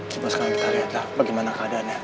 coba sekarang kita lihatlah bagaimana keadaannya